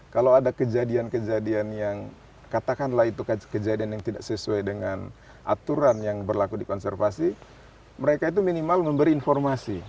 kalau ada kejadian kejadian yang katakanlah itu kejadian yang tidak sesuai dengan aturan yang berlaku di konservasi mereka itu minimal memberi informasi